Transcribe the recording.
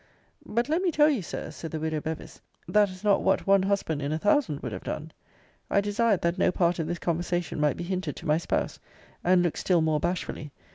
But let me tell you, Sirs, said the widow Bevis, that is not what one husband in a thousand would have done. I desired, that no part of this conversation might be hinted to my spouse; and looked still more bashfully.